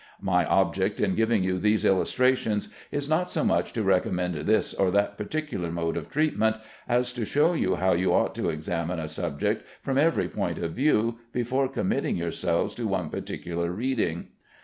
My object in giving you these illustrations is not so much to recommend this or that particular mode of treatment, as to show you how you ought to examine a subject from every point of view before committing yourselves to one particular reading.